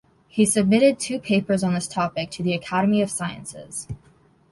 He submitted two papers on this topic to the Academy of Sciences.